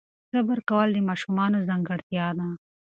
صبر کول د ماشومانو ځانګړتیا ده.